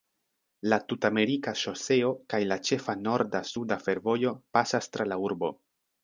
La Tut-Amerika Ŝoseo kaj la ĉefa norda-suda fervojo pasas tra la urbo.